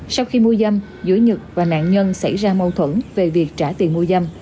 sau khi mua dâm giữa nhật và nạn nhân xảy ra mâu thuẫn về việc trả tiền mua dâm